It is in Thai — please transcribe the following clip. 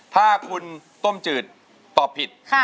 ถ้าคุณต้มจืดตอบผิด